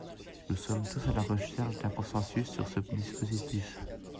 Nous sommes tous à la recherche d’un consensus sur ce dispositif.